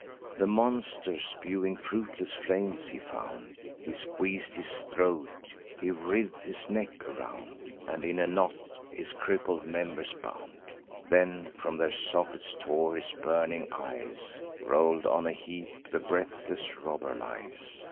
The monster, spewing fruitless flames, he found; He squeez'd his throat; he writh'd his neck around, And in a knot his crippled members bound; Then from their sockets tore his burning eyes: Roll'd on a heap, the breathless robber lies.